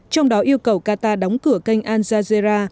trong đó yêu cầu qatar đóng cửa kênh al jazera